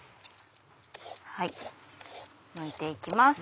むいて行きます。